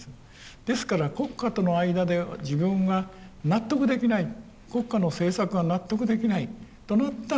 ですから国家との間で自分が納得できない国家の政策が納得できないとなったらいろんな手がありますね。